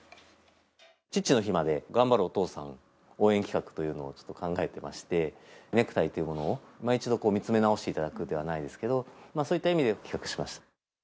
父の日まで頑張るお父さん応援企画というのをちょっと考えてまして、ネクタイというものを、いま一度見つめ直していただくじゃないですけど、そういった意味